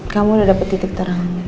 kamu udah dapet titik terang